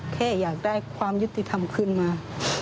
แค่อยากได้ความยุติธรรมขึ้นมา